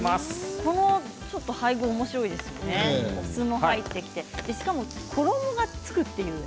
この配分おもしろいですよね、お酢も入ってしかも衣がつくという。